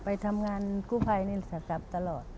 ไปทำงานกู้ภัยในสับตลอด